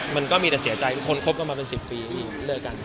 มันก็มีแต่เสียใจคนคบกันมาเป็น๑๐ปีพี่เลิกกัน